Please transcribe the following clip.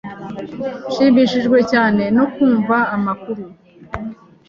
Nshimishijwe cyane no kumva amakuru.